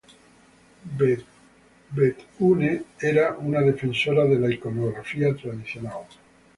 Bethune era una defensora de la iconografía tradicional.